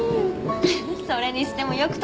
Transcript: それにしてもよく撮れてますね